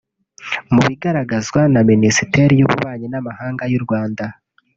Mu bigaragazwa na Minisiteri y’Ububanyi n’Amahanga y’u Rwanda